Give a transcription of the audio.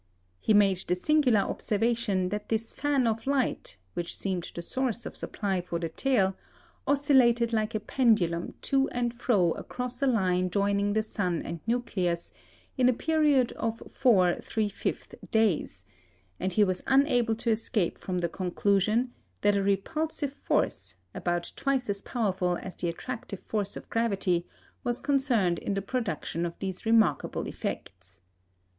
He made the singular observation that this fan of light, which seemed the source of supply for the tail, oscillated like a pendulum to and fro across a line joining the sun and nucleus, in a period of 4 3/5 days; and he was unable to escape from the conclusion that a repulsive force, about twice as powerful as the attractive force of gravity, was concerned in the production of these remarkable effects.